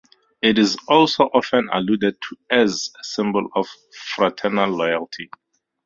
It is also often alluded to as a symbol of fraternal loyalty.